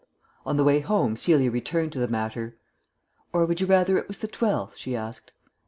On the way home Celia returned to the matter. "Or you would rather it was the twelfth?" she asked.